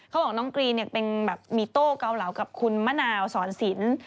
เขาบอกน้องกรีนเป็นแบบมีโต้เกาเหลากับคุณมะนาวสอนสิน